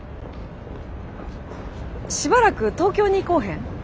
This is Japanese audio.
しばらく東京に来うへん？